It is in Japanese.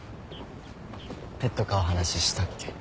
ペット飼う話したっけ？